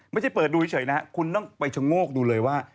ไม่ใช่เปิดดูเฉยนะคุณต้องไปชะโงกดูเลยว่า